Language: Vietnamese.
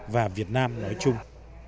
và việt nam nói chung